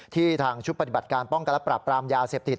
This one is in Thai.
ทางชุดปฏิบัติการป้องกันและปรับปรามยาเสพติด